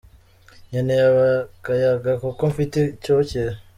Nkeneye akayaga kuko mfite icyokere.